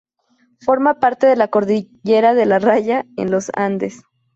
Forma parte de la cordillera de La Raya, en los Andes.